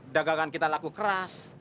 dagangan kita laku keras